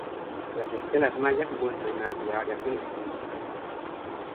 Las estelas mayas muestran una amplia variación estilística.